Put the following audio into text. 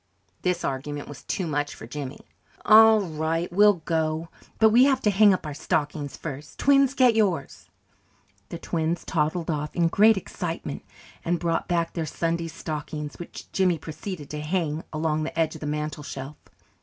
This argument was too much for Jimmy. "All right, we'll go. But we have to hang up our stockings first. Twins, get yours." The twins toddled off in great excitement, and brought back their Sunday stockings, which Jimmy proceeded to hang along the edge of the mantel shelf.